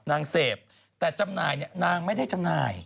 นางเสพแต่จำหน่ายเนี่ยนางไม่ได้จำหน่าย